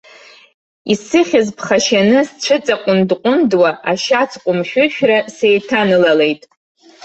Исыхьыз ԥхашьаны сцәыҵаҟәындҟәындуа, ашьац ҟәымшәышәра сеиҭанылаиеит.